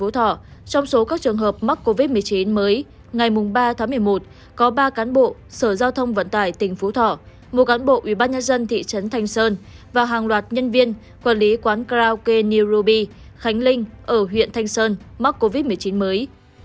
trong số các trường hợp mắc covid một mươi chín mới ngày ba tháng một mươi một có ba cán bộ sở giao thông vận tải tỉnh phú thọ một cán bộ ubnd thị trấn thanh sơn và hàng loạt nhân viên quản lý quán karaoke new ruby khánh linh ở huyện thanh sơn mắc covid một mươi chín mới